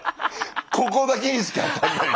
ここだけにしかあたんないからさ。